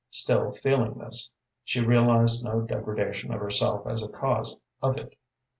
Still, feeling this, she realized no degradation of herself as a cause of it.